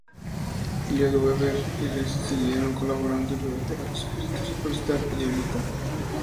Lloyd Webber y Rice siguieron colaborando y produjeron "Jesucristo Superstar" y "Evita".